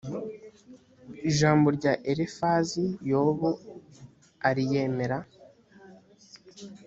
ijambo rya elifazi yobu ariyemera